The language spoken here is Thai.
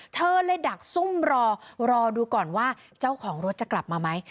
เธอเลยดักซุ่มรอรอดูก่อนว่าเจ้าของรถจะกลับมาไหม